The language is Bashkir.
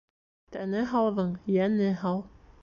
Тәне һауҙың йәне һау.